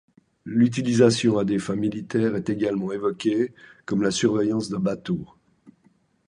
L'utilisation à des fins militaires est également évoquée, comme la surveillance d'un bateau.